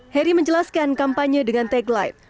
heri menjelaskan kampanye dengan tagline